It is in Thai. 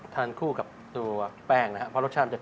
ทานคู่กับตัวแป้งนะครับเพราะรสชาติมันจะ